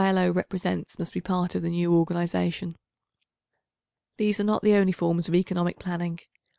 L.O. represents must be part of the new organisation. These are not the only forms of economic planning.